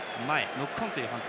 ノックオンという判定。